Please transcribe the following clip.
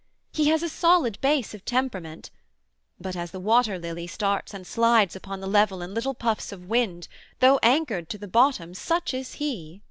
He has a solid base of temperament: But as the waterlily starts and slides Upon the level in little puffs of wind, Though anchored to the bottom, such is he.'